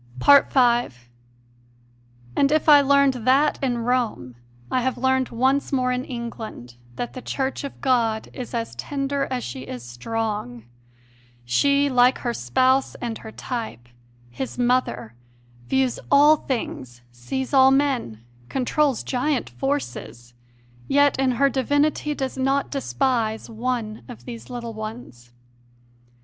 5. And if I learned that in Rome, I have learned once more in England that the Church of God is as tender as she is strong. She, like her Spouse and her type, His Mother, views all things, sees all men, controls giant forces; yet in her divinity does not despise "one of these little ones."